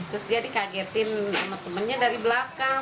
terus dia dikagetin sama temennya dari belakang